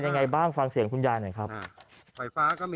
ไม่มีไฟไม่มีตู้เย็นก็ไม่มีไฟ